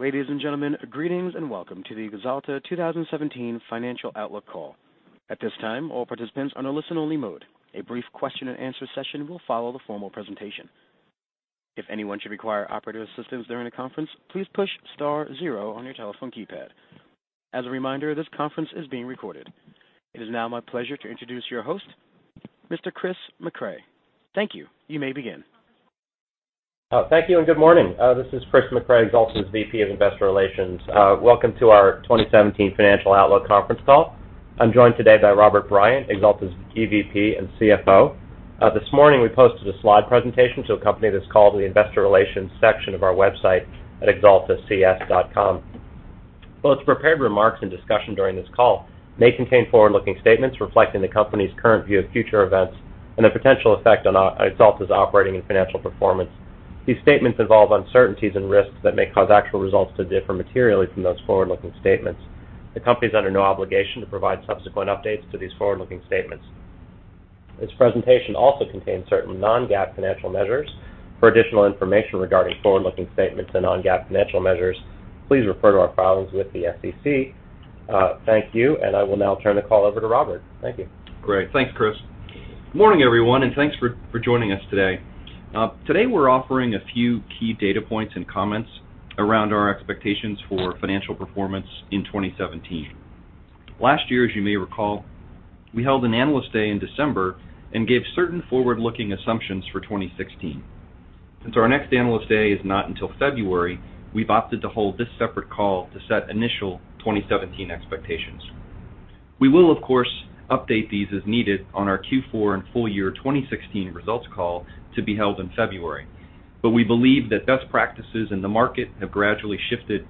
Ladies and gentlemen, greetings and welcome to the Axalta 2017 Financial Outlook Call. At this time, all participants are in a listen-only mode. A brief question and answer session will follow the formal presentation. If anyone should require operator assistance during the conference, please push star zero on your telephone keypad. As a reminder, this conference is being recorded. It is now my pleasure to introduce your host, Mr. Christopher Mecray. Thank you. You may begin. Thank you and good morning. This is Christopher Mecray, Axalta's VP of Investor Relations. Welcome to our 2017 Financial Outlook Conference Call. I'm joined today by Robert Bryant, Axalta's EVP and CFO. This morning, we posted a slide presentation to accompany this call to the investor relations section of our website at axaltacs.com. Both prepared remarks and discussion during this call may contain forward-looking statements reflecting the company's current view of future events and the potential effect on Axalta's operating and financial performance. These statements involve uncertainties and risks that may cause actual results to differ materially from those forward-looking statements. The company's under no obligation to provide subsequent updates to these forward-looking statements. This presentation also contains certain non-GAAP financial measures. For additional information regarding forward-looking statements and non-GAAP financial measures, please refer to our filings with the SEC. Thank you. I will now turn the call over to Robert. Thank you. Great. Thanks, Chris. Morning, everyone. Thanks for joining us today. Today, we're offering a few key data points and comments around our expectations for financial performance in 2017. Last year, as you may recall, we held an Analyst Day in December and gave certain forward-looking assumptions for 2016. Since our next Analyst Day is not until February, we've opted to hold this separate call to set initial 2017 expectations. We believe that best practices in the market have gradually shifted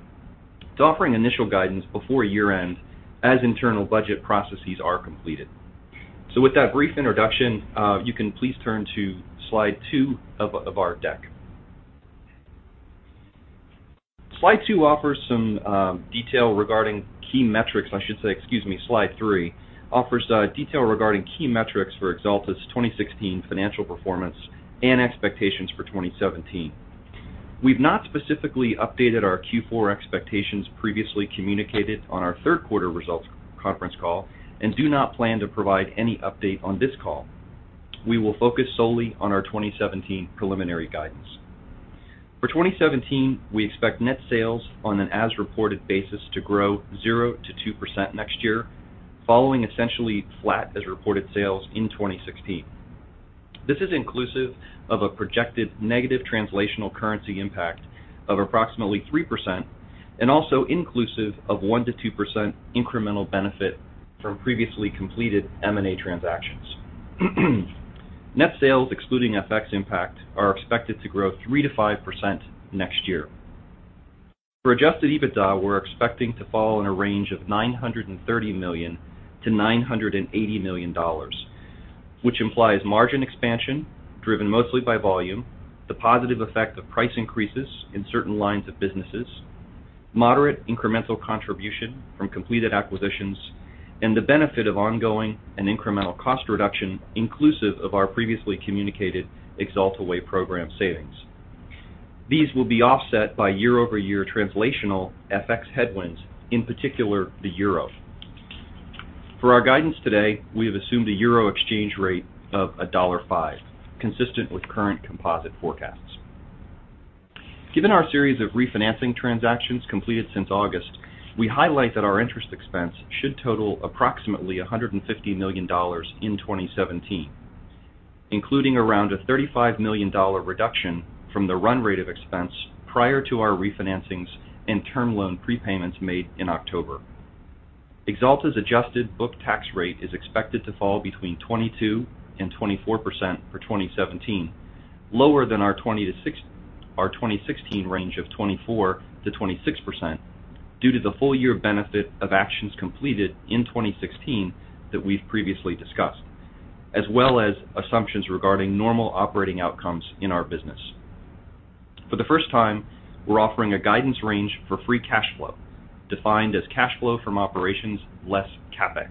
to offering initial guidance before year-end as internal budget processes are completed. With that brief introduction, you can please turn to slide two of our deck. Slide 3 offers detail regarding key metrics for Axalta's 2016 financial performance and expectations for 2017. We have not specifically updated our Q4 expectations previously communicated on our third quarter results conference call and do not plan to provide any update on this call. We will focus solely on our 2017 preliminary guidance. For 2017, we expect net sales on an as-reported basis to grow 0%-2% next year, following essentially flat as-reported sales in 2016. This is inclusive of a projected negative translational currency impact of approximately 3% and also inclusive of 1%-2% incremental benefit from previously completed M&A transactions. Net sales excluding FX impact are expected to grow 3%-5% next year. For adjusted EBITDA, we are expecting to fall in a range of $930 million-$980 million, which implies margin expansion driven mostly by volume, the positive effect of price increases in certain lines of businesses, moderate incremental contribution from completed acquisitions, and the benefit of ongoing and incremental cost reduction inclusive of our previously communicated Axalta Way program savings. These will be offset by year-over-year translational FX headwinds, in particular the euro. For our guidance today, we have assumed a euro exchange rate of $1.05, consistent with current composite forecasts. Given our series of refinancing transactions completed since August, we highlight that our interest expense should total approximately $150 million in 2017, including around a $35 million reduction from the run rate of expense prior to our refinancings and term loan prepayments made in October. Axalta's adjusted book tax rate is expected to fall between 22% and 24% for 2017, lower than our 2016 range of 24%-26%, due to the full-year benefit of actions completed in 2016 that we have previously discussed, as well as assumptions regarding normal operating outcomes in our business. For the first time, we are offering a guidance range for free cash flow, defined as cash flow from operations less CapEx.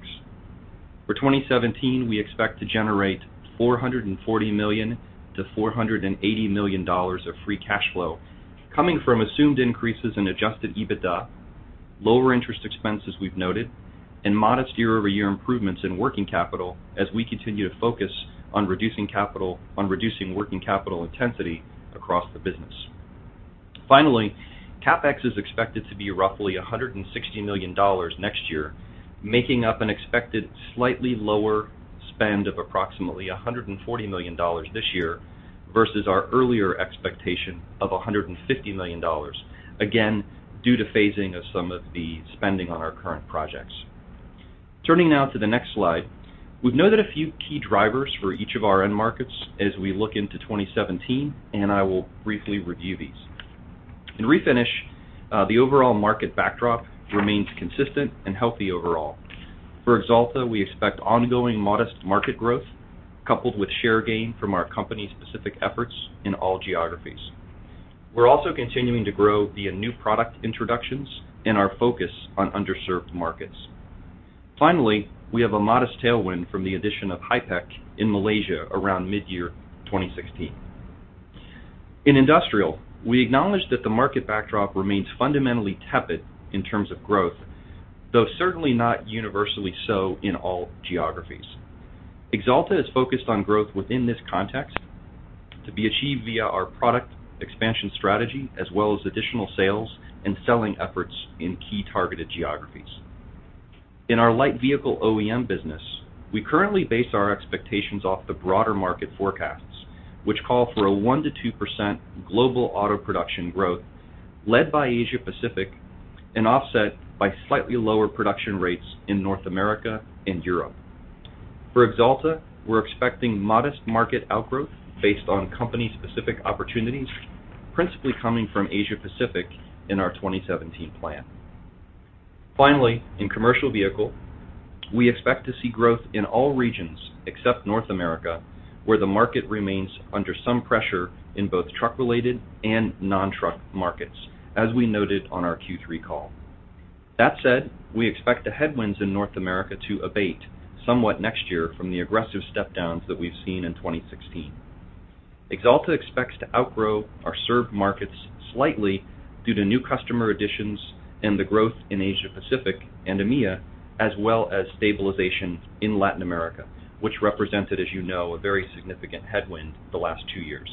For 2017, we expect to generate $440 million-$480 million of free cash flow coming from assumed increases in adjusted EBITDA, lower interest expense as we have noted, and modest year-over-year improvements in working capital as we continue to focus on reducing working capital intensity across the business. Finally, CapEx is expected to be roughly $160 million next year, making up an expected slightly lower spend of approximately $140 million this year versus our earlier expectation of $150 million, again, due to phasing of some of the spending on our current projects. Turning now to the next slide. We have noted a few key drivers for each of our end markets as we look into 2017, and I will briefly review these. In Refinish, the overall market backdrop remains consistent and healthy overall. For Axalta, we expect ongoing modest market growth coupled with share gain from our company-specific efforts in all geographies. We are also continuing to grow via new product introductions and our focus on underserved markets. Finally, we have a modest tailwind from the addition of HIPIC in Malaysia around mid-year 2016. In industrial, we acknowledge that the market backdrop remains fundamentally tepid in terms of growth, though certainly not universally so in all geographies. Axalta is focused on growth within this context to be achieved via our product expansion strategy, as well as additional sales and selling efforts in key targeted geographies. In our light vehicle OEM business, we currently base our expectations off the broader market forecasts, which call for a 1%-2% global auto production growth led by Asia Pacific and offset by slightly lower production rates in North America and Europe. For Axalta, we're expecting modest market outgrowth based on company-specific opportunities, principally coming from Asia Pacific in our 2017 plan. Finally, in commercial vehicle, we expect to see growth in all regions except North America, where the market remains under some pressure in both truck-related and non-truck markets, as we noted on our Q3 call. That said, we expect the headwinds in North America to abate somewhat next year from the aggressive step downs that we've seen in 2016. Axalta expects to outgrow our served markets slightly due to new customer additions and the growth in Asia Pacific and EMEA, as well as stabilization in Latin America, which represented, as you know, a very significant headwind the last two years.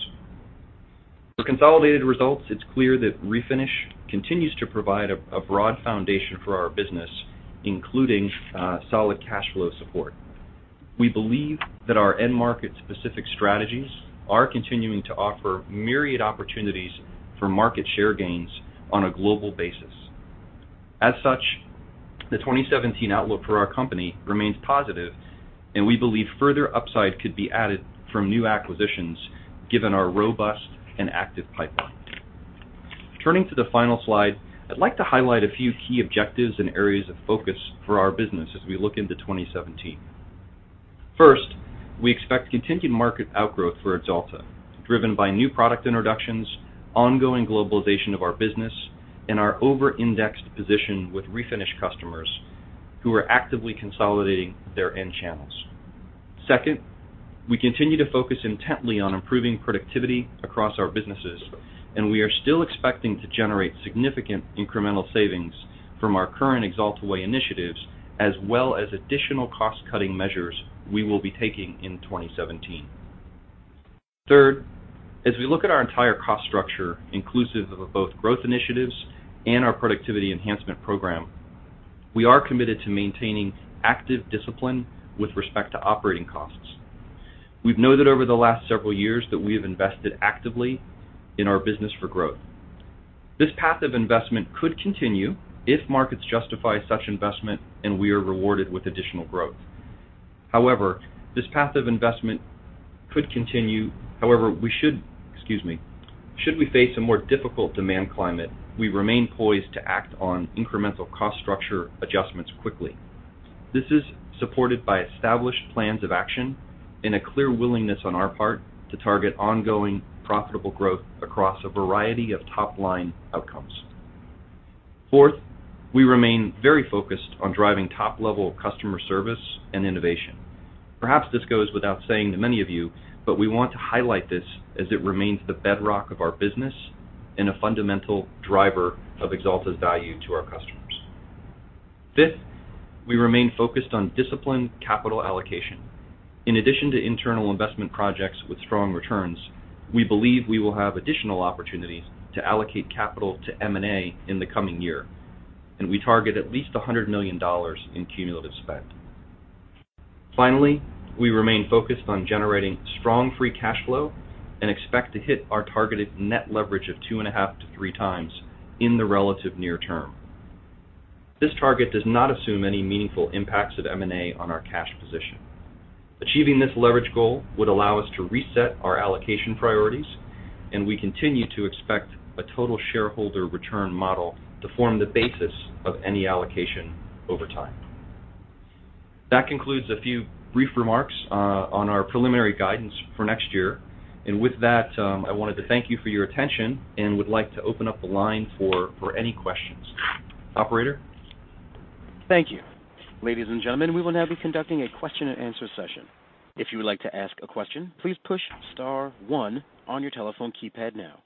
For consolidated results, it's clear that Refinish continues to provide a broad foundation for our business, including solid cash flow support. We believe that our end market specific strategies are continuing to offer myriad opportunities for market share gains on a global basis. As such, the 2017 outlook for our company remains positive. We believe further upside could be added from new acquisitions given our robust and active pipeline. Turning to the final slide, I'd like to highlight a few key objectives and areas of focus for our business as we look into 2017. First, we expect continued market outgrowth for Axalta, driven by new product introductions, ongoing globalization of our business, and our over-indexed position with Refinish customers who are actively consolidating their end channels. Second, we continue to focus intently on improving productivity across our businesses. We are still expecting to generate significant incremental savings from our current Axalta Way initiatives, as well as additional cost cutting measures we will be taking in 2017. Third, as we look at our entire cost structure, inclusive of both growth initiatives and our productivity enhancement program, we are committed to maintaining active discipline with respect to operating costs. We've noted over the last several years that we have invested actively in our business for growth. This path of investment could continue if markets justify such investment and we are rewarded with additional growth. However, should we face a more difficult demand climate, we remain poised to act on incremental cost structure adjustments quickly. This is supported by established plans of action and a clear willingness on our part to target ongoing profitable growth across a variety of top-line outcomes. Fourth, we remain very focused on driving top-level customer service and innovation. Perhaps this goes without saying to many of you, but we want to highlight this as it remains the bedrock of our business and a fundamental driver of Axalta's value to our customers. Fifth, we remain focused on disciplined capital allocation. In addition to internal investment projects with strong returns, we believe we will have additional opportunities to allocate capital to M&A in the coming year, we target at least $100 million in cumulative spend. Finally, we remain focused on generating strong free cash flow and expect to hit our targeted net leverage of 2.5-3 times in the relative near term. This target does not assume any meaningful impacts of M&A on our cash position. Achieving this leverage goal would allow us to reset our allocation priorities, we continue to expect a total shareholder return model to form the basis of any allocation over time. That concludes a few brief remarks on our preliminary guidance for next year. With that, I wanted to thank you for your attention and would like to open up the line for any questions. Operator? Thank you. Ladies and gentlemen, we will now be conducting a question and answer session. If you would like to ask a question, please push star 1 on your telephone keypad now.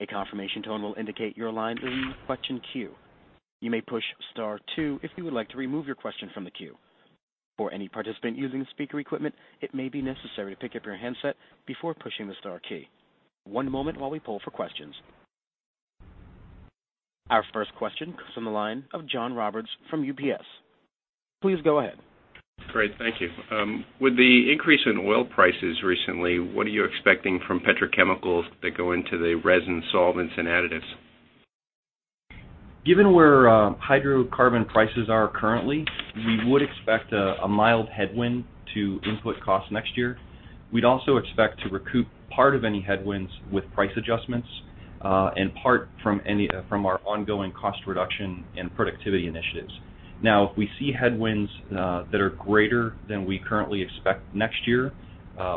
A confirmation tone will indicate your line is in the question queue. You may push star 2 if you would like to remove your question from the queue. For any participant using speaker equipment, it may be necessary to pick up your handset before pushing the star key. One moment while we poll for questions. Our first question comes from the line of John Roberts from UBS. Please go ahead. Great. Thank you. With the increase in oil prices recently, what are you expecting from petrochemicals that go into the resin solvents and additives? Given where hydrocarbon prices are currently, we would expect a mild headwind to input costs next year. We'd also expect to recoup part of any headwinds with price adjustments, and part from our ongoing cost reduction and productivity initiatives. If we see headwinds that are greater than we currently expect next year,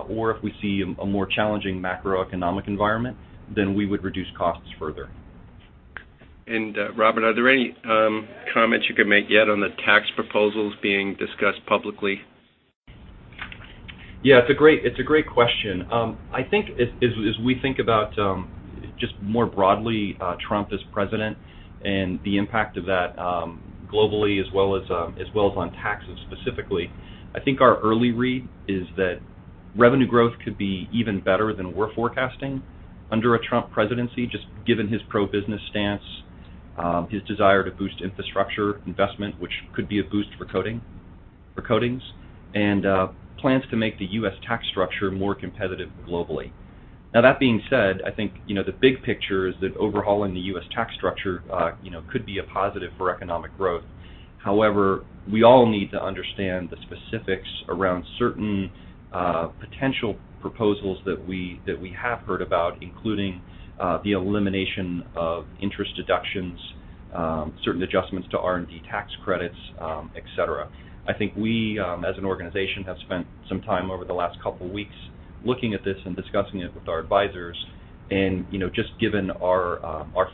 or if we see a more challenging macroeconomic environment, we would reduce costs further. Robert, are there any comments you can make yet on the tax proposals being discussed publicly? Yeah, it's a great question. I think as we think about just more broadly, Trump as president and the impact of that, globally as well as on taxes specifically, I think our early read is that revenue growth could be even better than we're forecasting under a Trump presidency, just given his pro-business stance, his desire to boost infrastructure investment, which could be a boost for coatings, and plans to make the U.S. tax structure more competitive globally. That being said, I think the big picture is that overhauling the U.S. tax structure could be a positive for economic growth. However, we all need to understand the specifics around certain potential proposals that we have heard about, including the elimination of interest deductions, certain adjustments to R&D tax credits, et cetera. I think we, as an organization, have spent some time over the last couple of weeks looking at this and discussing it with our advisors, just given our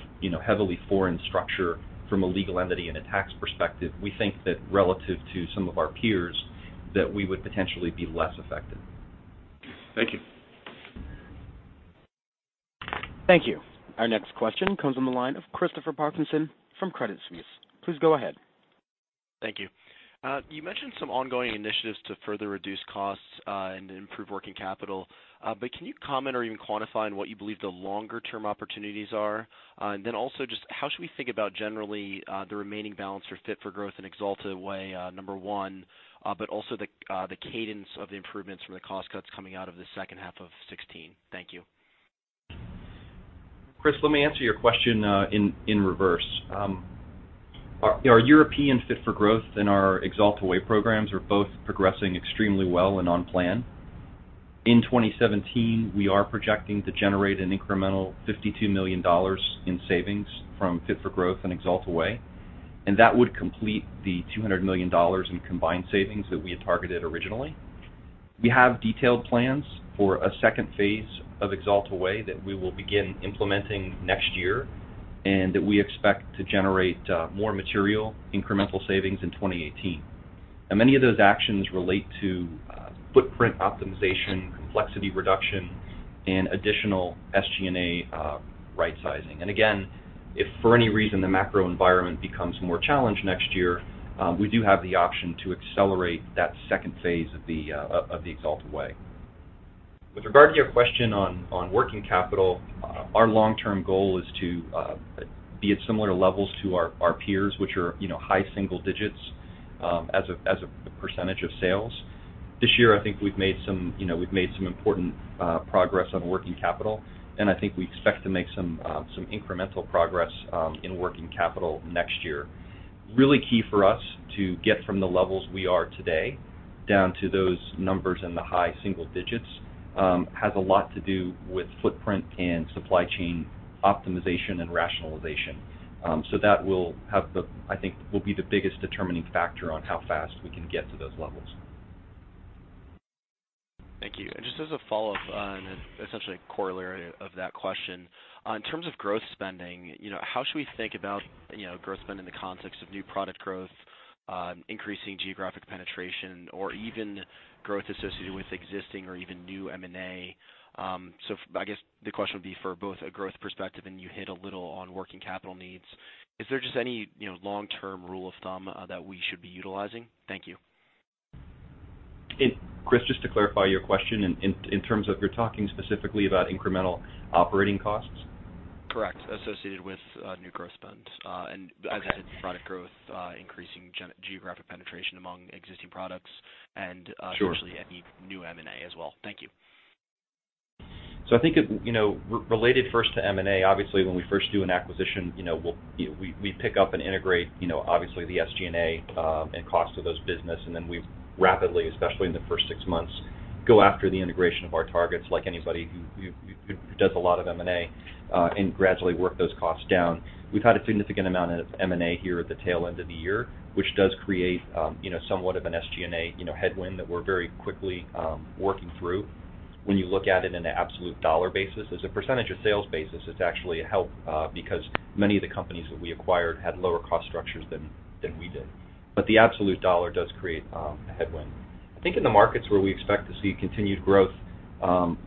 heavily foreign structure from a legal entity and a tax perspective, we think that relative to some of our peers, that we would potentially be less affected. Thank you. Thank you. Our next question comes on the line of Christopher Parkinson from Credit Suisse. Please go ahead. Thank you. You mentioned some ongoing initiatives to further reduce costs and improve working capital. Can you comment or even quantify on what you believe the longer-term opportunities are? Also just how should we think about generally, the remaining balance for Fit-For-Growth and Axalta Way, number one, but also the cadence of the improvements from the cost cuts coming out of the second half of 2016. Thank you. Chris, let me answer your question in reverse. Our European Fit-For-Growth and our Axalta Way programs are both progressing extremely well and on plan. In 2017, we are projecting to generate an incremental $52 million in savings from Fit-For-Growth and Axalta Way, and that would complete the $200 million in combined savings that we had targeted originally. We have detailed plans for a second phase of Axalta Way that we will begin implementing next year, and that we expect to generate more material incremental savings in 2018. Many of those actions relate to footprint optimization, complexity reduction, and additional SG&A right-sizing. Again, if for any reason the macro environment becomes more challenged next year, we do have the option to accelerate that second phase of the Axalta Way. With regard to your question on working capital, our long-term goal is to be at similar levels to our peers, which are high single digits, as a percentage of sales. This year, I think we've made some important progress on working capital. I think we expect to make some incremental progress in working capital next year. Really key for us to get from the levels we are today down to those numbers in the high single digits has a lot to do with footprint and supply chain optimization and rationalization. That I think will be the biggest determining factor on how fast we can get to those levels. Thank you. Just as a follow-up on, essentially a corollary of that question, on terms of growth spending, how should we think about growth spend in the context of new product growth, increasing geographic penetration, or even growth associated with existing or even new M&A? I guess the question would be for both a growth perspective, and you hit a little on working capital needs. Is there just any long-term rule of thumb that we should be utilizing? Thank you. Chris, just to clarify your question in terms of, you're talking specifically about incremental operating costs? Correct. Associated with new growth spend. As I said, product growth, increasing geographic penetration among existing products. Sure potentially any new M&A as well. Thank you. Related first to M&A, obviously, when we first do an acquisition, we pick up and integrate, obviously the SG&A, and cost of those businesses, and then we rapidly, especially in the first six months, go after the integration of our targets, like anybody who does a lot of M&A, and gradually work those costs down. We've had a significant amount of M&A here at the tail end of the year, which does create somewhat of an SG&A headwind that we're very quickly working through. When you look at it in an absolute dollar basis, as a percentage of sales basis, it's actually a help, because many of the companies that we acquired had lower cost structures than we did. The absolute dollar does create a headwind. I think in the markets where we expect to see continued growth,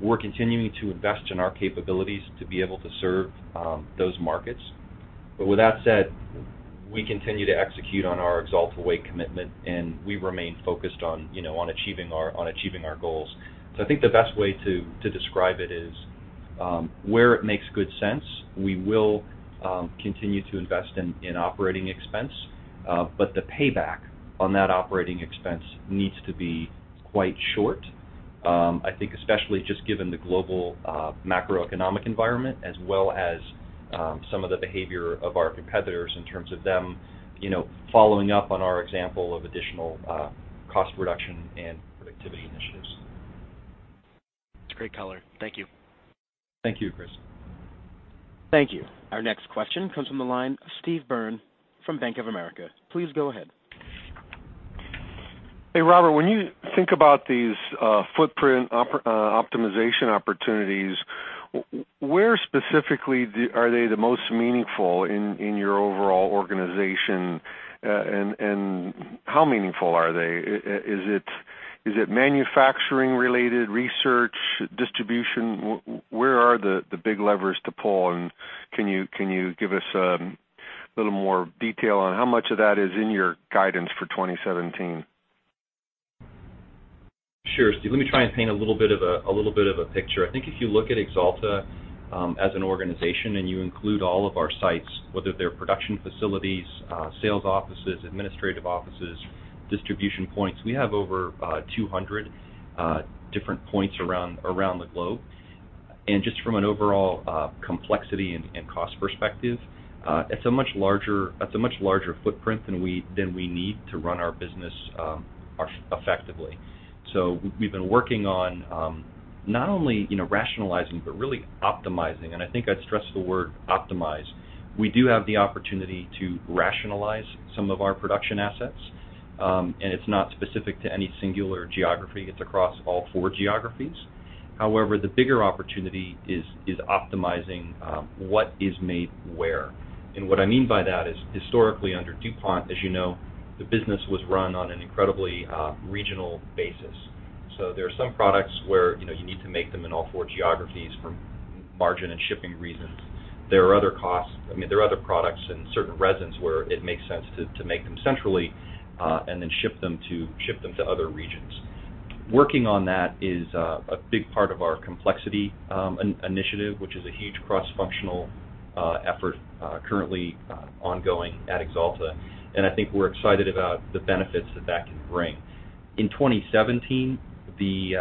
we're continuing to invest in our capabilities to be able to serve those markets. With that said, we continue to execute on our Axalta Way commitment, and we remain focused on achieving our goals. I think the best way to describe it is, where it makes good sense, we will continue to invest in operating expense. The payback on that operating expense needs to be quite short. I think especially just given the global macroeconomic environment as well as some of the behavior of our competitors in terms of them following up on our example of additional cost reduction and productivity initiatives. That's great color. Thank you. Thank you, Chris. Thank you. Our next question comes from the line of Steve Byrne from Bank of America. Please go ahead. Hey, Robert, when you think about these footprint optimization opportunities, where specifically are they the most meaningful in your overall organization? How meaningful are they? Is it manufacturing related, research, distribution? Where are the big levers to pull, can you give us a little more detail on how much of that is in your guidance for 2017? Sure, Steve. Let me try and paint a little bit of a picture. I think if you look at Axalta as an organization, you include all of our sites, whether they're production facilities, sales offices, administrative offices, distribution points, we have over 200 different points around the globe. Just from an overall complexity and cost perspective, it's a much larger footprint than we need to run our business effectively. We've been working on not only rationalizing, but really optimizing, and I think I'd stress the word optimize. We do have the opportunity to rationalize some of our production assets. It's not specific to any singular geography, it's across all four geographies. However, the bigger opportunity is optimizing what is made where. What I mean by that is, historically, under DuPont, as you know, the business was run on an incredibly regional basis. There are some products where you need to make them in all four geographies for margin and shipping reasons. There are other products and certain resins where it makes sense to make them centrally, then ship them to other regions. Working on that is a big part of our complexity initiative, which is a huge cross-functional effort currently ongoing at Axalta, I think we're excited about the benefits that that can bring. In 2017, the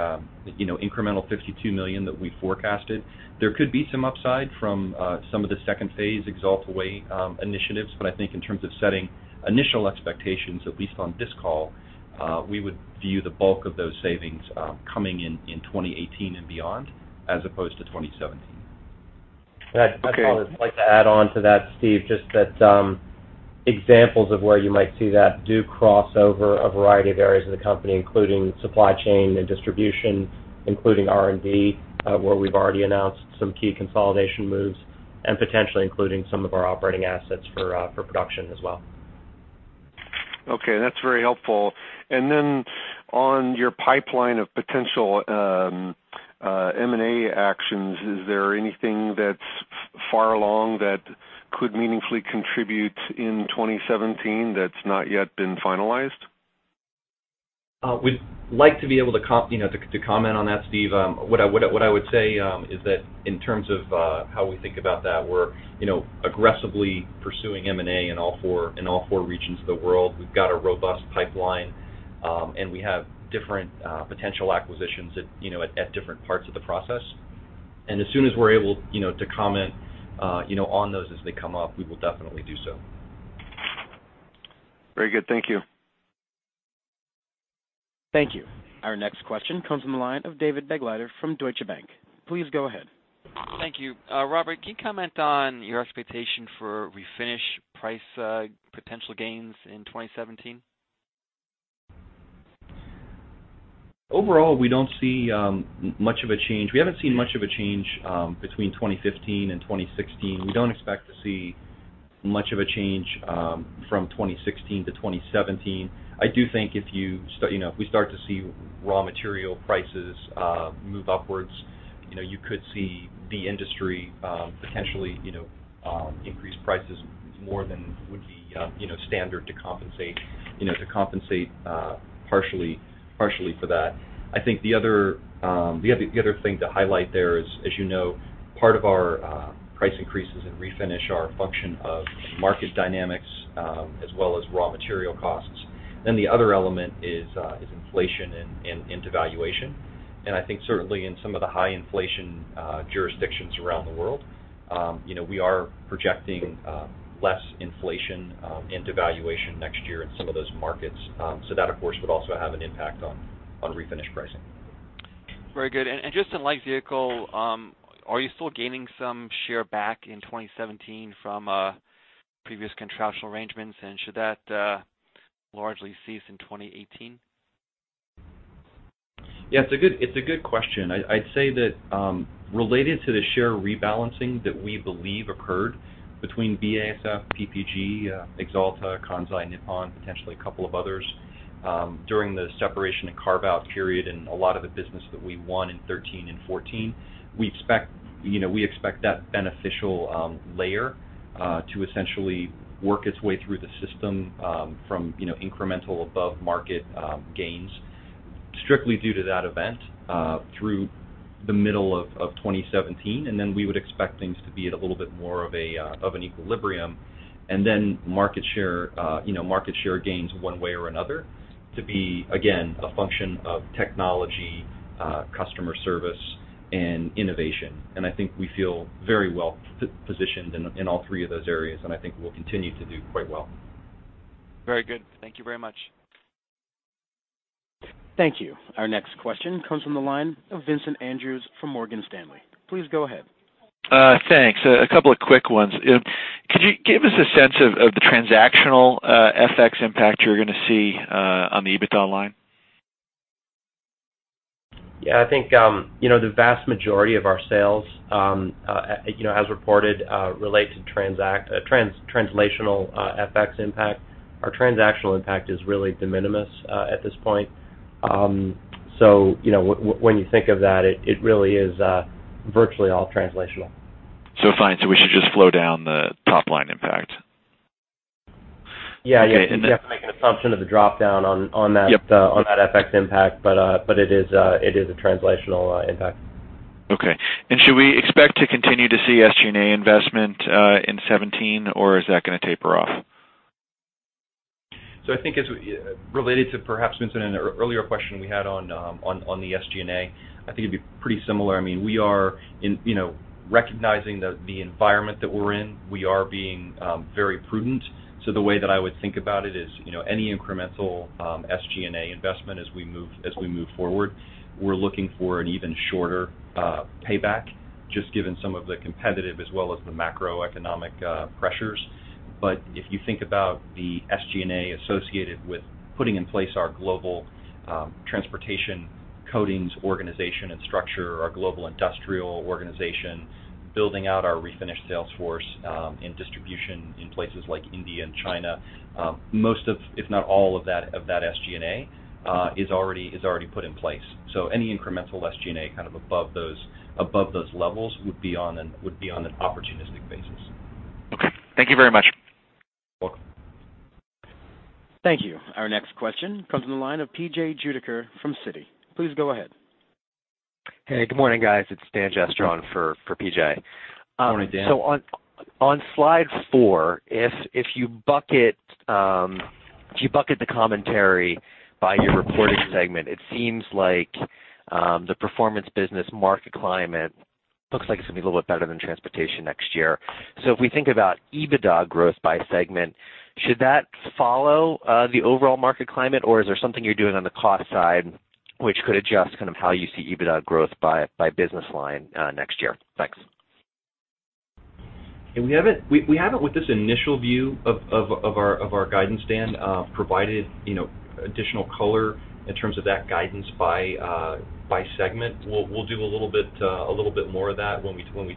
incremental $52 million that we forecasted, there could be some upside from some of the second phase Axalta Way initiatives, I think in terms of setting initial expectations, at least on this call, we would view the bulk of those savings coming in 2018 and beyond as opposed to 2017. Okay. I'd just like to add on to that, Steve, just that examples of where you might see that do cross over a variety of areas of the company, including supply chain and distribution, including R&D, where we've already announced some key consolidation moves, and potentially including some of our operating assets for production as well. Okay, that's very helpful. On your pipeline of potential M&A actions, is there anything that's far along that could meaningfully contribute in 2017 that's not yet been finalized? We'd like to be able to comment on that, Steve. What I would say is that in terms of how we think about that, we're aggressively pursuing M&A in all four regions of the world. We've got a robust pipeline, and we have different potential acquisitions at different parts of the process. As soon as we're able to comment on those as they come up, we will definitely do so. Very good. Thank you. Thank you. Our next question comes from the line of David Begleiter from Deutsche Bank. Please go ahead. Thank you. Robert, can you comment on your expectation for refinish price potential gains in 2017? Overall, we don't see much of a change. We haven't seen much of a change between 2015 and 2016. We don't expect to see much of a change from 2016 to 2017. I do think if we start to see raw material prices move upwards, you could see the industry potentially increase prices more than would be standard to compensate partially for that. I think the other thing to highlight there is, as you know, part of our price increases in refinish are a function of market dynamics as well as raw material costs. The other element is inflation and devaluation. I think certainly in some of the high inflation jurisdictions around the world, we are projecting less inflation and devaluation next year in some of those markets. That, of course, would also have an impact on refinish pricing. Very good. Just in light vehicle, are you still gaining some share back in 2017 from previous contractual arrangements, and should that largely cease in 2018? It's a good question. I'd say that related to the share rebalancing that we believe occurred between BASF, PPG, Axalta, Kansai Paint, potentially a couple of others, during the separation and carve-out period in a lot of the business that we won in 2013 and 2014, we expect that beneficial layer to essentially work its way through the system from incremental above-market gains strictly due to that event through the middle of 2017. We would expect things to be at a little bit more of an equilibrium, market share gains one way or another to be, again, a function of technology, customer service, and innovation. I think we feel very well-positioned in all three of those areas, I think we'll continue to do quite well. Very good. Thank you very much. Thank you. Our next question comes from the line of Vincent Andrews from Morgan Stanley. Please go ahead. Thanks. A couple of quick ones. Could you give us a sense of the transactional FX impact you're going to see on the EBITDA line? Yeah, I think the vast majority of our sales, as reported, relate to translational FX impact. Our transactional impact is really de minimis at this point. When you think of that, it really is virtually all translational. Fine. We should just flow down the top-line impact? Yeah. You'd have to make an assumption of the drop-down on that- Yep On that FX impact. It is a translational impact. Okay. Should we expect to continue to see SG&A investment in 2017, or is that going to taper off? I think as related to perhaps, Vincent, in an earlier question we had on the SG&A, I think it'd be pretty similar. We are recognizing the environment that we're in. We are being very prudent. The way that I would think about it is, any incremental SG&A investment as we move forward, we're looking for an even shorter payback, just given some of the competitive as well as the macroeconomic pressures. If you think about the SG&A associated with putting in place our global transportation coatings organization and structure, our global industrial organization, building out our refinish sales force, and distribution in places like India and China, most of, if not all of that SG&A, is already put in place. Any incremental SG&A above those levels would be on an opportunistic basis. Okay. Thank you very much. Welcome. Thank you. Our next question comes from the line of PJ Juvekar from Citi. Please go ahead. Hey, good morning, guys. It's Dan Jester for PJ. Morning, Dan. On slide four, if you bucket the commentary by your reported segment, it seems like the performance business market climate looks like it's going to be a little bit better than transportation next year. If we think about EBITDA growth by segment, should that follow the overall market climate, or is there something you're doing on the cost side which could adjust how you see EBITDA growth by business line next year? Thanks. We haven't, with this initial view of our guidance, Dan, provided additional color in terms of that guidance by segment. We'll do a little bit more of that when we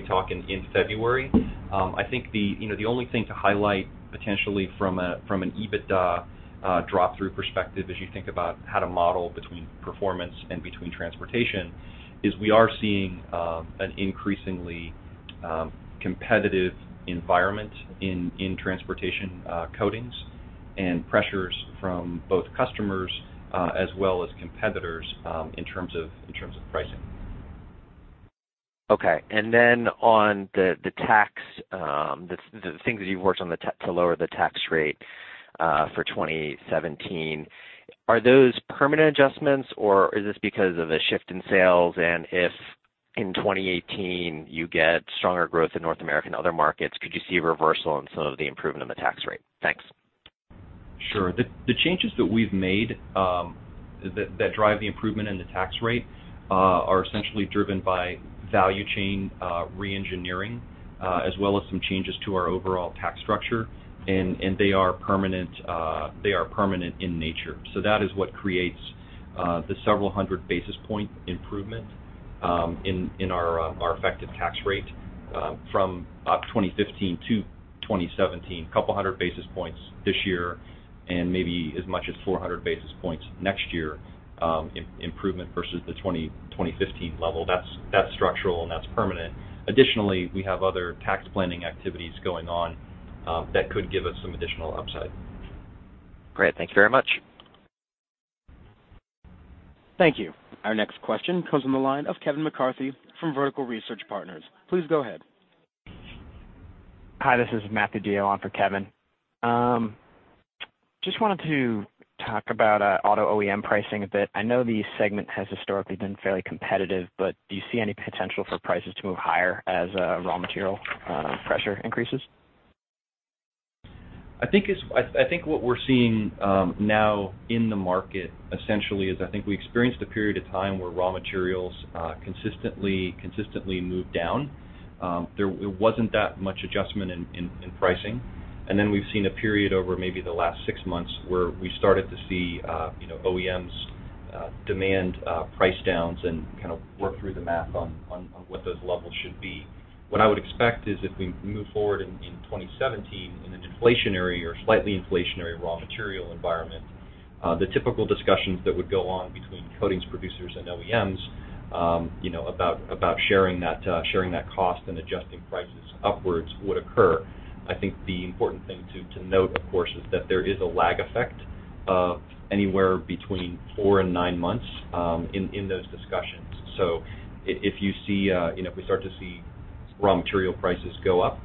talk in February. I think the only thing to highlight potentially from an EBITDA drop-through perspective, as you think about how to model between performance and between transportation, is we are seeing an increasingly competitive environment in transportation coatings and pressures from both customers as well as competitors in terms of pricing. Okay. On the things that you've worked on to lower the tax rate for 2017, are those permanent adjustments, or is this because of a shift in sales? If in 2018 you get stronger growth in North America and other markets, could you see a reversal on some of the improvement in the tax rate? Thanks. Sure. The changes that we've made that drive the improvement in the tax rate are essentially driven by value chain re-engineering, as well as some changes to our overall tax structure, and they are permanent in nature. That is what creates the several hundred basis point improvement in our effective tax rate from 2015 to 2017. A couple hundred basis points this year, and maybe as much as 400 basis points next year improvement versus the 2015 level. That's structural and that's permanent. Additionally, we have other tax planning activities going on that could give us some additional upside. Great. Thank you very much. Thank you. Our next question comes from the line of Kevin McCarthy from Vertical Research Partners. Please go ahead. Hi, this is Matthew DeYoe on for Kevin. Just wanted to talk about auto OEM pricing a bit. I know the segment has historically been fairly competitive, but do you see any potential for prices to move higher as raw material pressure increases? I think what we're seeing now in the market, essentially, is I think we experienced a period of time where raw materials consistently moved down. There wasn't that much adjustment in pricing. We've seen a period over maybe the last six months where we started to see OEMs demand price downs and kind of work through the math on what those levels should be. What I would expect is if we move forward in 2017 in an inflationary or slightly inflationary raw material environment, the typical discussions that would go on between coatings producers and OEMs about sharing that cost and adjusting prices upwards would occur. I think the important thing to note, of course, is that there is a lag effect of anywhere between four and nine months in those discussions. If we start to see raw material prices go up,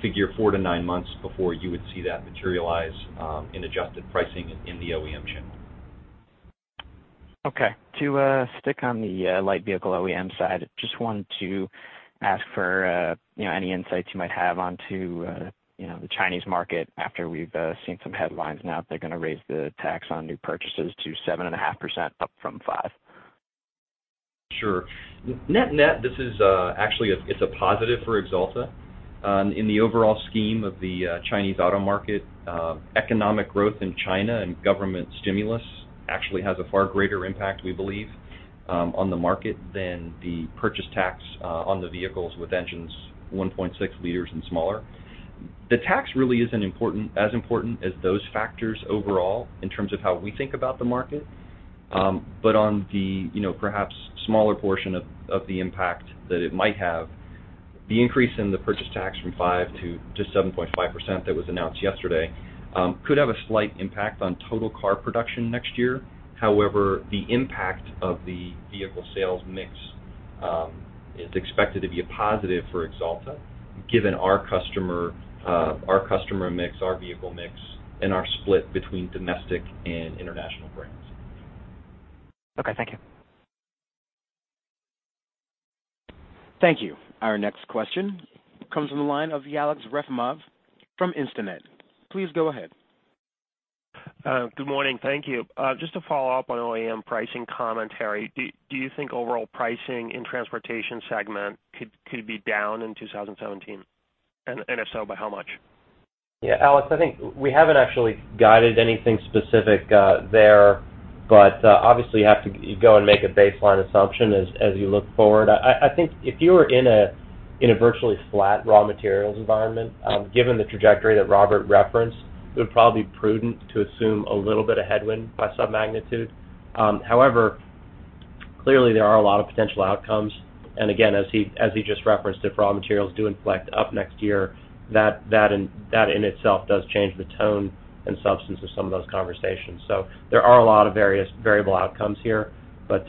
figure four to nine months before you would see that materialize in adjusted pricing in the OEM channel. Okay. To stick on the light vehicle OEM side, just wanted to ask for any insights you might have onto the Chinese market after we've seen some headlines now that they're going to raise the tax on new purchases to 7.5% up from 5%. Sure. Net-net, this is actually a positive for Axalta. In the overall scheme of the Chinese auto market, economic growth in China and government stimulus actually has a far greater impact, we believe, on the market than the purchase tax on the vehicles with engines 1.6 liters and smaller. The tax really isn't as important as those factors overall in terms of how we think about the market. On the perhaps smaller portion of the impact that it might have, the increase in the purchase tax from 5% to 7.5% that was announced yesterday could have a slight impact on total car production next year. However, the impact of the vehicle sales mix is expected to be a positive for Axalta, given our customer mix, our vehicle mix, and our split between domestic and international brands. Okay, thank you. Thank you. Our next question comes from the line of Aleksey Yefremov from Instinet. Please go ahead. Good morning. Thank you. Just to follow up on OEM pricing commentary, do you think overall pricing in transportation segment could be down in 2017? If so, by how much? Yeah, Aleksey, I think we haven't actually guided anything specific there, but obviously you have to go and make a baseline assumption as you look forward. I think if you were in a virtually flat raw materials environment, given the trajectory that Robert referenced, it would probably be prudent to assume a little bit of headwind by some magnitude. However, clearly there are a lot of potential outcomes. Again, as he just referenced, if raw materials do inflect up next year, that in itself does change the tone and substance of some of those conversations. There are a lot of various variable outcomes here, but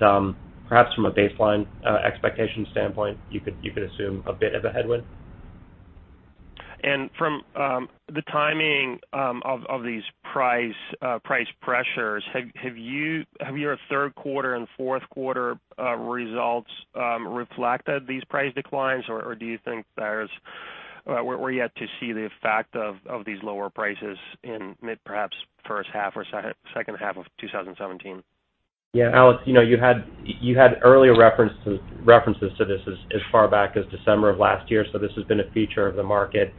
perhaps from a baseline expectation standpoint, you could assume a bit of a headwind. From the timing of these price pressures, have your third quarter and fourth quarter results reflected these price declines, or do you think we're yet to see the effect of these lower prices in perhaps first half or second half of 2017? Yeah, Aleksey, you had earlier references to this as far back as December of last year, this has been a feature of the market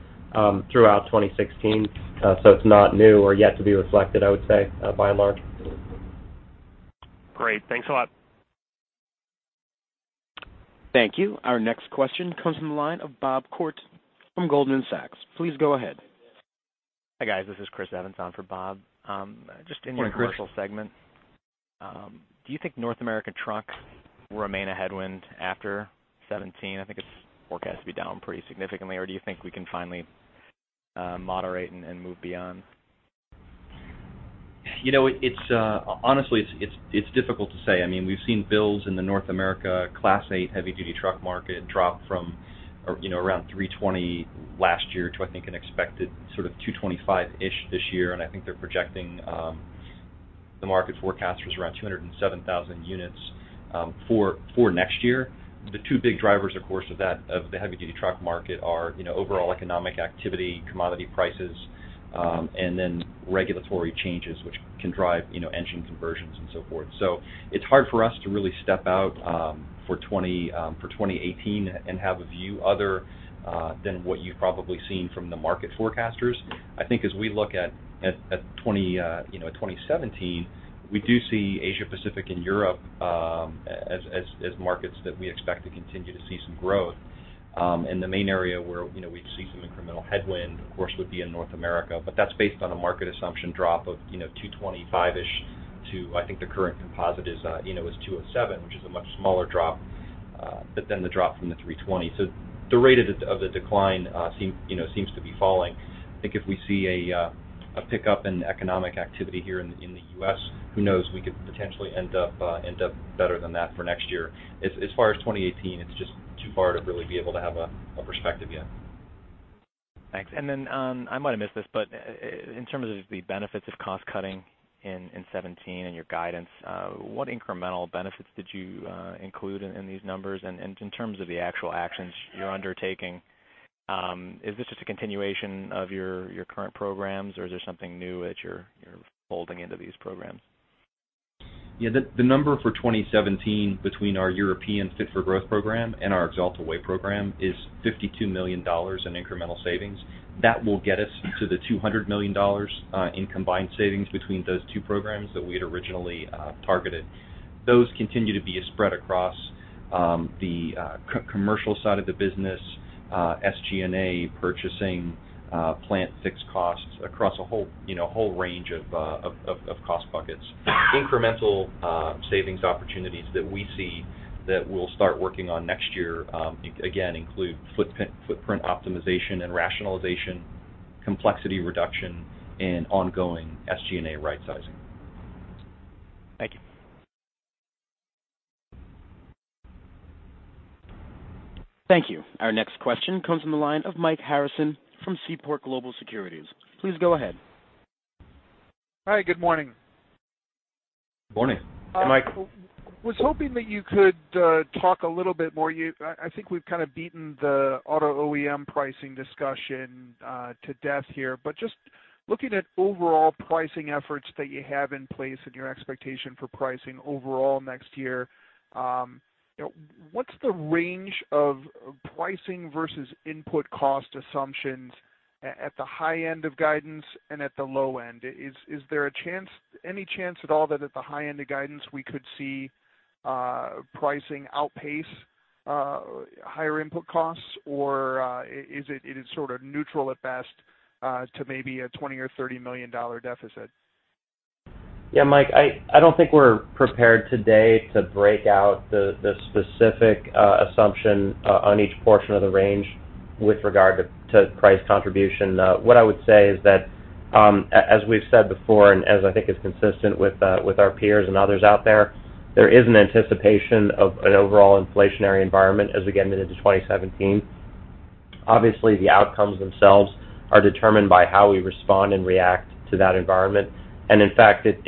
throughout 2016. It's not new or yet to be reflected, I would say, by and large. Great. Thanks a lot. Thank you. Our next question comes from the line of Bob Koort from Goldman Sachs. Please go ahead. Hi, guys. This is Chris Evans on for Bob. Morning, Chris. Just in your commercial segment, do you think North America trucks will remain a headwind after 2017? I think it's forecast to be down pretty significantly, or do you think we can finally moderate and move beyond? Honestly, it's difficult to say. We've seen builds in the North America Class 8 heavy duty truck market drop from around 320 last year to, I think, an expected sort of 225-ish this year, and I think they're projecting the market forecast was around 207,000 units for next year. The two big drivers, of course, of the heavy duty truck market are overall economic activity, commodity prices, and then regulatory changes which can drive engine conversions and so forth. It's hard for us to really step out for 2018 and have a view other than what you've probably seen from the market forecasters. I think as we look at 2017, we do see Asia-Pacific and Europe as markets that we expect to continue to see some growth. The main area where we'd see some incremental headwind, of course, would be in North America. That's based on a market assumption drop of 225-ish to, I think, the current composite is 207, which is a much smaller drop, the drop from the 320. The rate of the decline seems to be falling. I think if we see a pick up in economic activity here in the U.S., who knows, we could potentially end up better than that for next year. As far as 2018, it's just too far to really be able to have a perspective yet. Thanks. I might have missed this, in terms of the benefits of cost cutting in 2017 and your guidance, what incremental benefits did you include in these numbers? In terms of the actual actions you're undertaking, is this just a continuation of your current programs, or is there something new that you're folding into these programs? The number for 2017 between our European Fit-For-Growth program and our Axalta Way program is $52 million in incremental savings. That will get us to the $200 million in combined savings between those two programs that we had originally targeted. Those continue to be spread across the commercial side of the business, SG&A, purchasing, plant fixed costs, across a whole range of cost buckets. Incremental savings opportunities that we see that we'll start working on next year, again, include footprint optimization and rationalization, complexity reduction, and ongoing SG&A rightsizing. Thank you. Thank you. Our next question comes from the line of Mike Harrison from Seaport Global Securities. Please go ahead. Hi, good morning. Morning. Mike, was hoping that you could talk a little bit more. I think we've kind of beaten the auto OEM pricing discussion to death here, but just looking at overall pricing efforts that you have in place and your expectation for pricing overall next year, what's the range of pricing versus input cost assumptions at the high end of guidance and at the low end? Is there any chance at all that at the high end of guidance we could see pricing outpace higher input costs or is it sort of neutral at best to maybe a $20 million or $30 million deficit? Yeah, Mike, I don't think we're prepared today to break out the specific assumption on each portion of the range with regard to price contribution. What I would say is that, as we've said before, and as I think is consistent with our peers and others out there is an anticipation of an overall inflationary environment as we get into 2017. Obviously, the outcomes themselves are determined by how we respond and react to that environment. In fact, it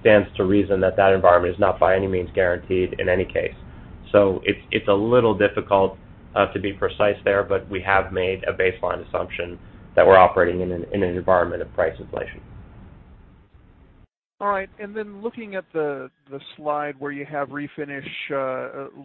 stands to reason that that environment is not by any means guaranteed in any case. It's a little difficult to be precise there, but we have made a baseline assumption that we're operating in an environment of price inflation. All right. Then looking at the slide where you have Refinish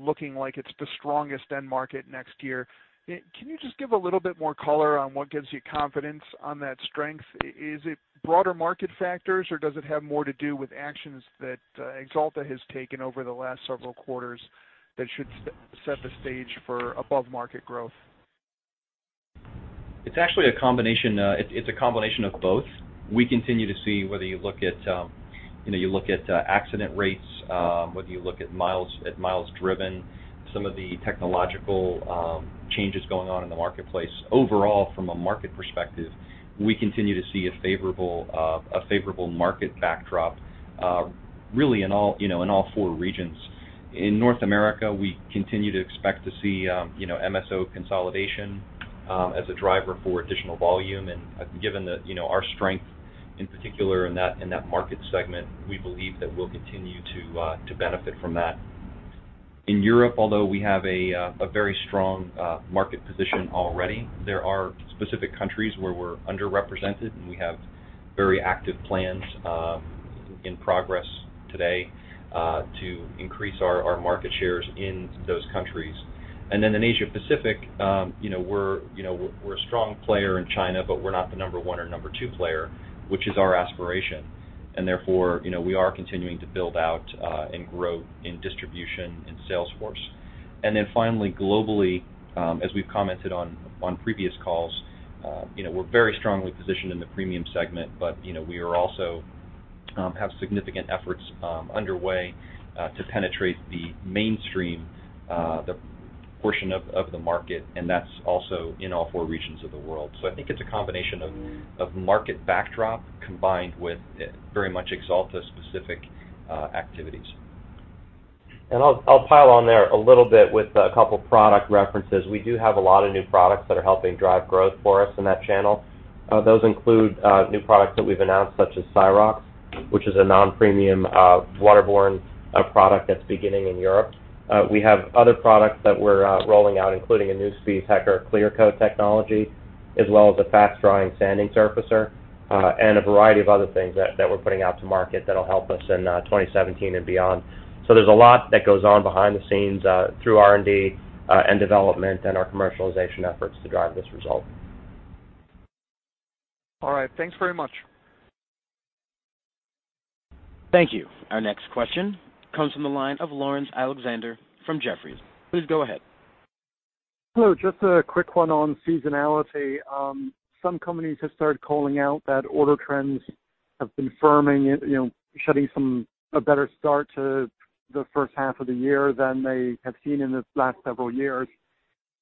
looking like it's the strongest end market next year, can you just give a little bit more color on what gives you confidence on that strength? Is it broader market factors, or does it have more to do with actions that Axalta has taken over the last several quarters that should set the stage for above-market growth? It's actually a combination of both. We continue to see whether you look at accident rates, whether you look at miles driven, some of the technological changes going on in the marketplace. Overall, from a market perspective, we continue to see a favorable market backdrop really in all four regions. In North America, we continue to expect to see MSO consolidation as a driver for additional volume. Given that our strength in particular in that market segment, we believe that we'll continue to benefit from that. In Europe, although we have a very strong market position already, there are specific countries where we're underrepresented. We have very active plans in progress today to increase our market shares in those countries. Then in Asia Pacific, we're a strong player in China, but we're not the number one or number two player, which is our aspiration. Therefore, we are continuing to build out and grow in distribution and sales force. Then finally, globally, as we've commented on previous calls, we're very strongly positioned in the premium segment. We also have significant efforts underway to penetrate the mainstream, the portion of the market, and that's also in all four regions of the world. I think it's a combination of market backdrop combined with very much Axalta-specific activities. I'll pile on there a little bit with a couple product references. We do have a lot of new products that are helping drive growth for us in that channel. Those include new products that we've announced, such as Syrox, which is a non-premium waterborne product that's beginning in Europe. We have other products that we're rolling out, including a new Spies Hecker clear coat technology, as well as a fast-drying sanding surfacer, and a variety of other things that we're putting out to market that'll help us in 2017 and beyond. There's a lot that goes on behind the scenes through R&D and development and our commercialization efforts to drive this result. All right. Thanks very much. Thank you. Our next question comes from the line of Laurence Alexander from Jefferies. Please go ahead. Hello, just a quick one on seasonality. Some companies have started calling out that order trends have been firming, shedding a better start to the first half of the year than they have seen in the last several years,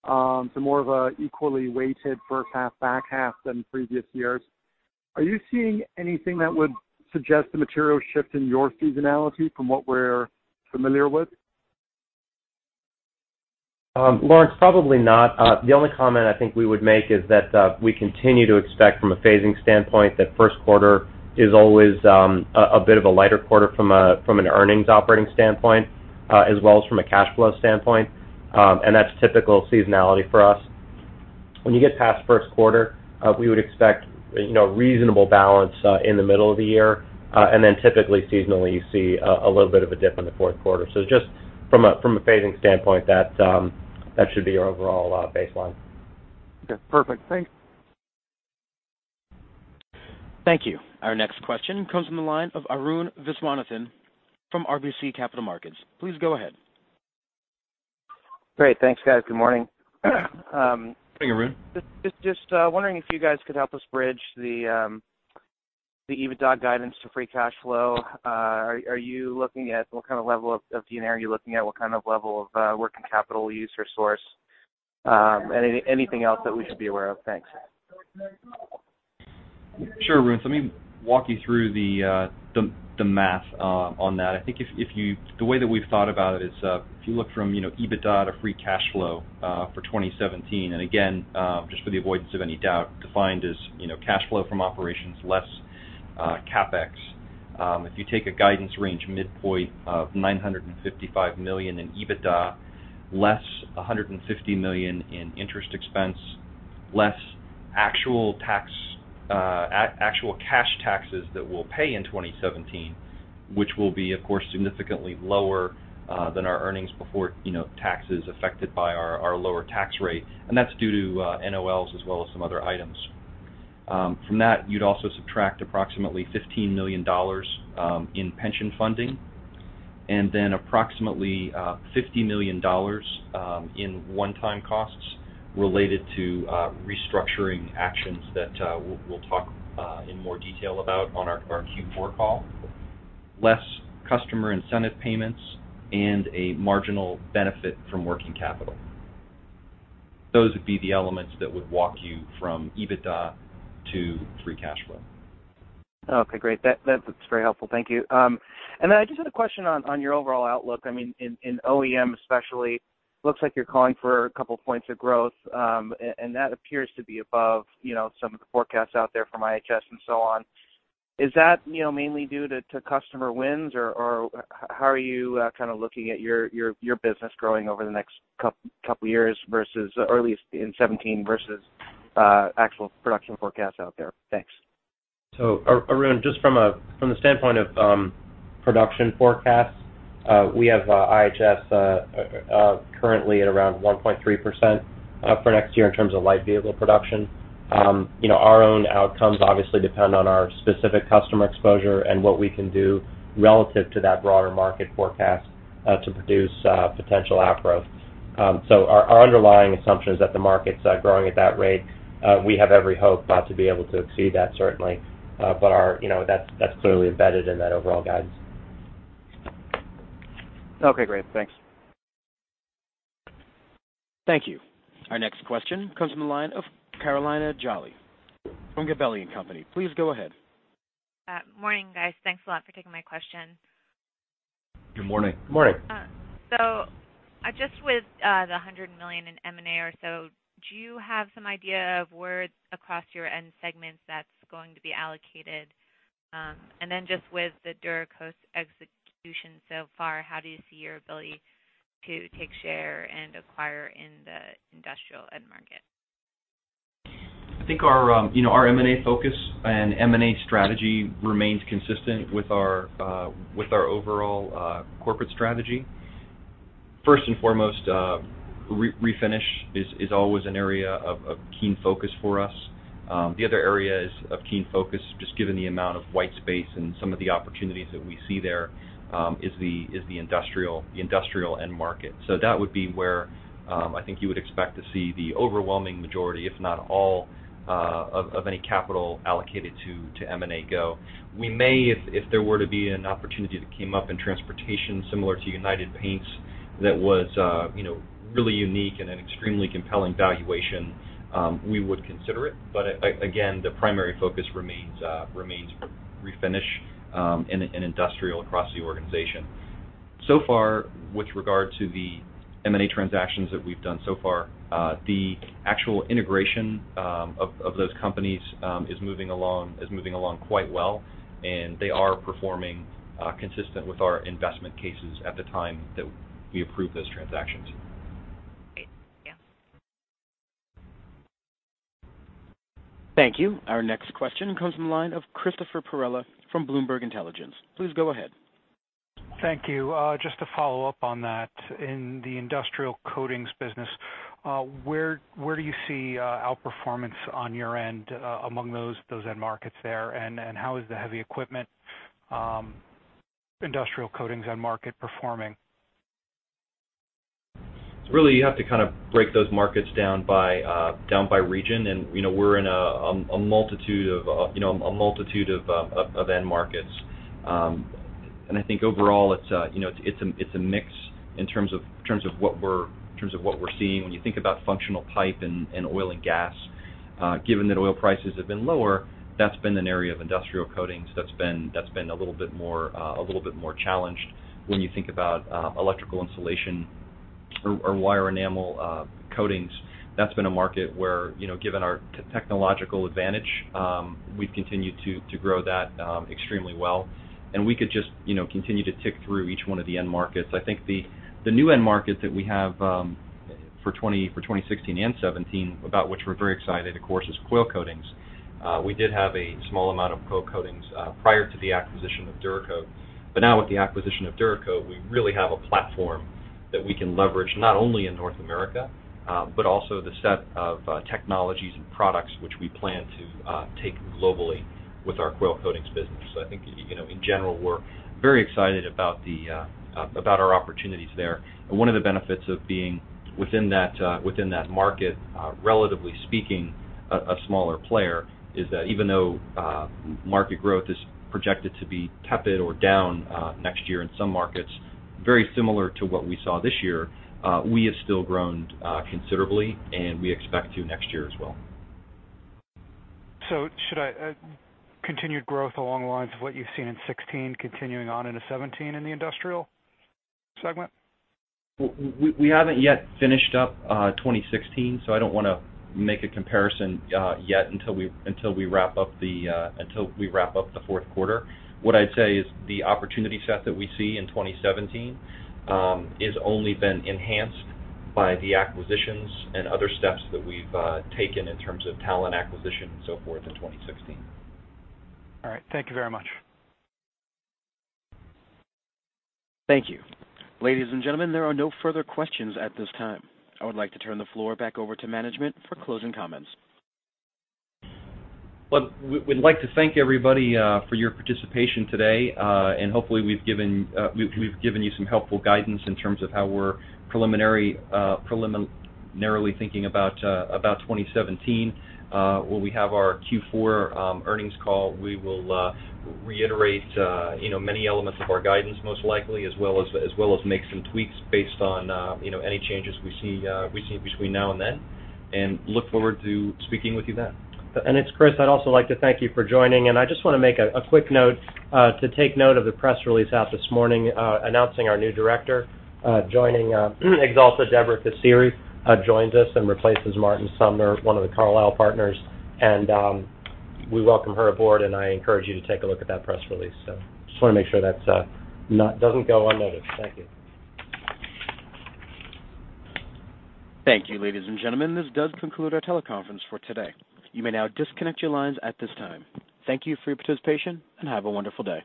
to more of an equally weighted first half, back half than previous years. Are you seeing anything that would suggest a material shift in your seasonality from what we're familiar with? Laurence, probably not. The only comment I think we would make is that we continue to expect from a phasing standpoint that first quarter is always a bit of a lighter quarter from an earnings operating standpoint, as well as from a cash flow standpoint, and that's typical seasonality for us. When you get past first quarter, we would expect reasonable balance in the middle of the year, and then typically seasonally, you see a little bit of a dip in the fourth quarter. Just from a phasing standpoint, that should be our overall baseline. Okay, perfect. Thanks. Thank you. Our next question comes from the line of Arun Viswanathan from RBC Capital Markets. Please go ahead. Great. Thanks, guys. Good morning. Yeah. Good morning, Arun. Just wondering if you guys could help us bridge the EBITDA guidance to free cash flow. Are you looking at what kind of level of D&A? Are you looking at what kind of level of working capital use or source? Anything else that we should be aware of? Thanks. Sure, Arun. Let me walk you through the math on that. I think the way that we've thought about it is if you look from EBITDA to free cash flow for 2017, and again, just for the avoidance of any doubt, defined as cash flow from operations less CapEx. If you take a guidance range midpoint of $955 million in EBITDA, less $150 million in interest expense, less actual cash taxes that we'll pay in 2017, which will be, of course, significantly lower than our earnings before taxes affected by our lower tax rate, and that's due to NOLs as well as some other items. From that, you'd also subtract approximately $15 million in pension funding, approximately $50 million in one-time costs related to restructuring actions that we'll talk in more detail about on our Q4 call, less customer incentive payments and a marginal benefit from working capital. Those would be the elements that would walk you from EBITDA to free cash flow. Okay, great. That's very helpful. Thank you. I just had a question on your overall outlook. In OEM especially, looks like you're calling for a couple points of growth, and that appears to be above some of the forecasts out there from IHS and so on. Is that mainly due to customer wins, or how are you looking at your business growing over the next couple years, or at least in 2017, versus actual production forecasts out there? Thanks. Arun, just from the standpoint of production forecasts, we have IHS currently at around 1.3% for next year in terms of light vehicle production. Our own outcomes obviously depend on our specific customer exposure and what we can do relative to that broader market forecast to produce potential outgrowth. Our underlying assumption is that the market's growing at that rate. We have every hope to be able to exceed that, certainly. That's clearly embedded in that overall guidance. Okay, great. Thanks. Thank you. Our next question comes from the line of Carolina Jolly from Gabelli & Company. Please go ahead. Morning, guys. Thanks a lot for taking my question. Good morning. Good morning. Just with the $100 million in M&A or so, do you have some idea of where across your end segments that's going to be allocated? Just with the DuraCoat execution so far, how do you see your ability to take share and acquire in the industrial end market? I think our M&A focus and M&A strategy remains consistent with our overall corporate strategy. First and foremost, Refinish is always an area of keen focus for us. The other area of keen focus, just given the amount of white space and some of the opportunities that we see there, is the industrial end market. That would be where I think you would expect to see the overwhelming majority, if not all, of any capital allocated to M&A go. We may, if there were to be an opportunity that came up in transportation similar to United Paint that was really unique and an extremely compelling valuation, we would consider it. Again, the primary focus remains Refinish and industrial across the organization. So far, with regard to the M&A transactions that we've done so far, the actual integration of those companies is moving along quite well, and they are performing consistent with our investment cases at the time that we approved those transactions. Great. Thank you. Thank you. Our next question comes from the line of Christopher Perrella from Bloomberg Intelligence. Please go ahead. Thank you. Just to follow up on that, in the industrial coatings business, where do you see outperformance on your end among those end markets there, and how is the heavy equipment industrial coatings end market performing? Really, you have to kind of break those markets down by region, and we're in a multitude of end markets. I think overall, it's a mix in terms of what we're seeing. When you think about functional pipe and oil and gas, given that oil prices have been lower, that's been an area of industrial coatings that's been a little bit more challenged. When you think about electrical insulation or wire enamel coatings, that's been a market where, given our technological advantage, we've continued to grow that extremely well, and we could just continue to tick through each one of the end markets. I think the new end market that we have for 2016 and 2017, about which we're very excited, of course, is coil coatings. We did have a small amount of coil coatings prior to the acquisition of DuraCoat. Now with the acquisition of DuraCoat, we really have a platform that we can leverage, not only in North America, but also the set of technologies and products which we plan to take globally with our coil coatings business. I think, in general, we're very excited about our opportunities there. One of the benefits of being within that market, relatively speaking a smaller player, is that even though market growth is projected to be tepid or down next year in some markets. Very similar to what we saw this year, we have still grown considerably, and we expect to next year as well. Should I Continued growth along the lines of what you've seen in 2016 continuing on into 2017 in the industrial segment? We haven't yet finished up 2016, so I don't want to make a comparison yet until we wrap up the fourth quarter. What I'd say is the opportunity set that we see in 2017 has only been enhanced by the acquisitions and other steps that we've taken in terms of talent acquisition and so forth in 2016. All right. Thank you very much. Thank you. Ladies and gentlemen, there are no further questions at this time. I would like to turn the floor back over to management for closing comments. Look, we'd like to thank everybody for your participation today, and hopefully we've given you some helpful guidance in terms of how we're preliminarily thinking about 2017. When we have our Q4 earnings call, we will reiterate many elements of our guidance, most likely, as well as make some tweaks based on any changes we see between now and then, and look forward to speaking with you then. It's Chris. I'd also like to thank you for joining, and I just want to make a quick note to take note of the press release out this morning announcing our new director joining Axalta. Deborah Kissire joins us and replaces Martin Sumner, one of the Carlyle partners, and we welcome her aboard, and I encourage you to take a look at that press release. Just want to make sure that doesn't go unnoticed. Thank you. Thank you, ladies and gentlemen. This does conclude our teleconference for today. You may now disconnect your lines at this time. Thank you for your participation, and have a wonderful day.